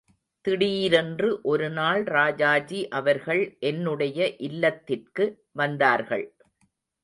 திடீரென்று ஒருநாள் ராஜாஜி அவர்கள் என்னுடைய இல்லத்திற்கு வந்தார்கள்.